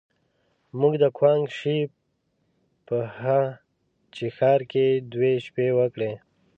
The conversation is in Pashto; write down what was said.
موږ د ګوانګ شي په هه چه ښار کې دوې شپې وکړې.